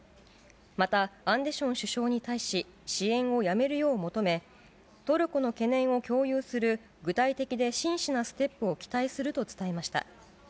また、アンデション首相に対し、支援をやめるよう求め、トルコの懸念を共有する、具体的で真摯なステップを期待すると伝えました。